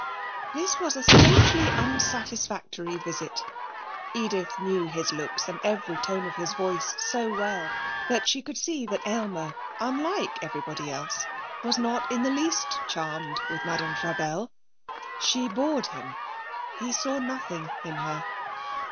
This was a strangely unsatisfactory visit. Edith knew his looks and every tone of his voice so well that she could see that Aylmer, unlike everybody else, was not in the least charmed with Madame Frabelle. She bored him; he saw nothing in her.